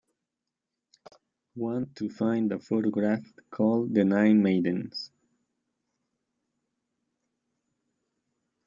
Want to find a photograph called The Nine Maidens